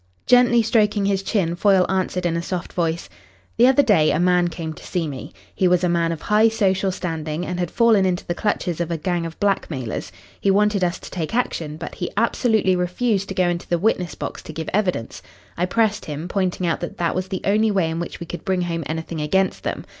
Gently stroking his chin, Foyle answered in a soft voice, "The other day a man came to see me. He was a man of high social standing and had fallen into the clutches of a gang of blackmailers. He wanted us to take action, but he absolutely refused to go into the witness box to give evidence. I pressed him, pointing out that that was the only way in which we could bring home anything against them.